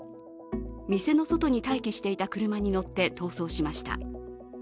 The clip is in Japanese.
店の外に待機していた車に乗って逃走しました。